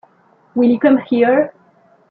Will you come here?